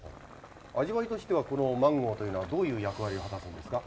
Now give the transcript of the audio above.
味わいとしてはこのマンゴーというのはどういう役割を果たすんですか？